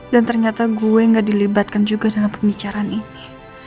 dan ternyata gue gak dilibatkan juga dalam pembicaraan ini